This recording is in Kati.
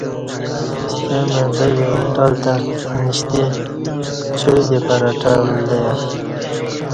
ستمع بگہ اہ ہوٹل تہ نیشیتہ چائ دے پراٹہ ولہ یا